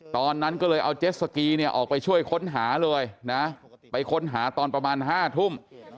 ตอนนั้นก็เลยเอาเจ็ดสกีเนี่ยออกไปช่วยค้นหาเลยนะไปค้นหาตอนประมาณ๕ทุ่ม